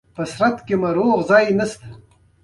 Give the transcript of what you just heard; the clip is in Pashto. د سليم دلې کور کوم ځای دی؟